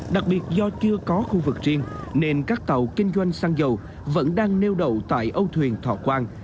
đặc biệt do chưa có khu vực riêng nên các tàu kinh doanh xăng dầu vẫn đang neo đậu tại âu thuyền thọ quang